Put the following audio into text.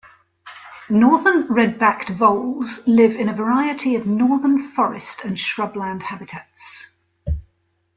Northern red-backed voles live in a variety of northern forest and shrubland habitats.